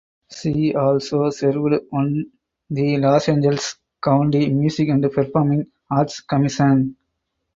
She also served one the Los Angeles County Music and Performing Arts Commission.